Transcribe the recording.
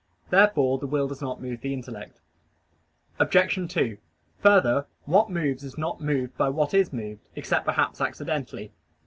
Therefore the will does not move the intellect. Obj. 2: Further, what moves is not moved by what is moved, except perhaps accidentally.